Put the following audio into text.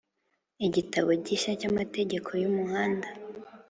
Igitabo gishya cy’amategeko y’umuhanda